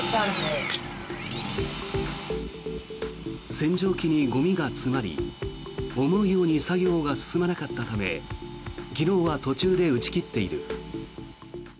洗浄機にゴミが詰まり思うように作業が進まなかったため昨日は途中で打ち切っている。